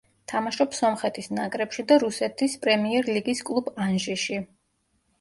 თამაშობს სომხეთის ნაკრებში და რუსეთის პრემიერლიგის კლუბ „ანჟიში“.